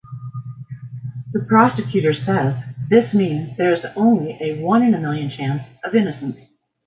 The prosecutor says this means there is only a one-in-a-million chance of innocence.